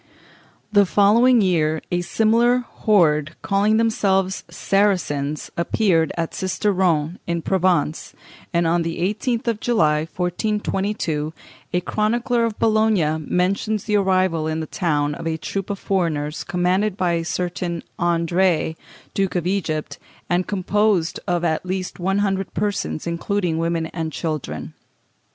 In the following year a similar horde, calling themselves Saracens, appeared at Sisteron, in Provence; and on the 18th. of July, 1422, a chronicler of Bologna mentions the arrival in that town of a troop of foreigners, commanded by a certain André, Duke of Egypt, and composed of at least one hundred persons, including women and children.